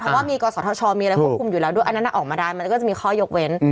เพราะว่ามีกศธชมีอะไรควบคุมอยู่แล้วด้วยอันนั้นออกมาได้มันก็จะมีข้อยกเว้น